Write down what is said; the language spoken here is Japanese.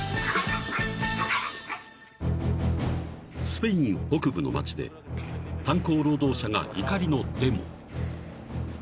［スペイン北部の街で炭鉱労働者が怒りのデモ］